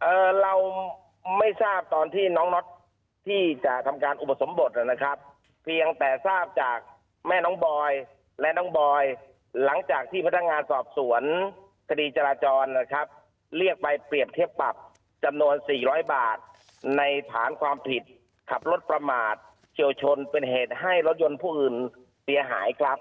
เอ่อเราไม่ทราบตอนที่น้องน็อตที่จะทำการอุปสมบทนะครับเพียงแต่ทราบจากแม่น้องบอยและน้องบอยหลังจากที่พนักงานสอบสวนคดีจราจรนะครับเรียกไปเปรียบเทียบปรับจำนวนสี่ร้อยบาทในฐานความผิดขับรถประมาทเฉียวชนเป็นเหตุให้รถยนต์ผู้อื่นเสียหายครับ